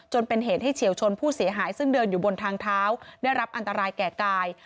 เป็นเหตุให้เฉียวชนผู้เสียหายซึ่งเดินอยู่บนทางเท้าได้รับอันตรายแก่กาย